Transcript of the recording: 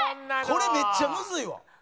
これめっちゃむずいわ！